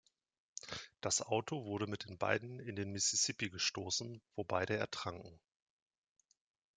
Das Auto wurde mit den beiden in den Mississippi gestoßen, wo beide ertranken.